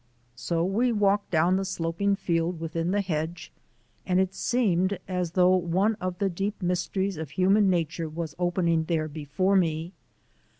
So we walked down the sloping field within the hedge, and it seemed as though one of the deep mysteries of human nature was opening there before me.